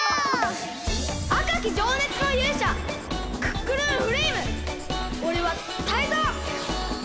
あかきじょうねつのゆうしゃクックルンフレイムおれはタイゾウ！